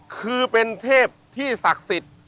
คือเป็นเทพที่ศักดิ์สิทธิ์